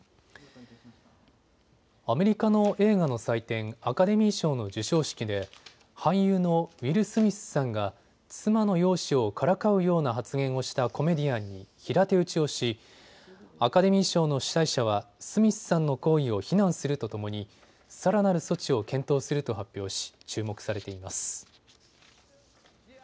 アメリカの映画の祭典、アカデミー賞の授賞式で俳優のウィル・スミスさんが、妻の容姿をからかうような発言をしたコメディアンに平手打ちをしアカデミー賞の主催者はスミスさんの行為を非難するとともにさらなる措置を検討すると発表し注目されています。